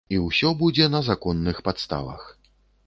І ўсё будзе на законных падставах.